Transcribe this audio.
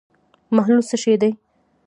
محلول څه شی دی.